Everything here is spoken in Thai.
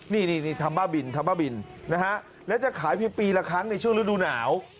นี่ทำบ้าบินทำบ้าบินนะฮะและจะขายเพียงปีละครั้งในช่วงฤดูหนาว